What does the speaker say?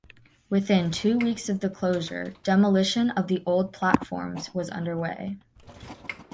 Within two weeks of the closure, demolition of the old platforms was under way.